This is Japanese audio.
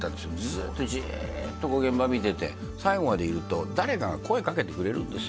ずっとじっとこう現場見てて最後までいると誰かが声かけてくれるんですよ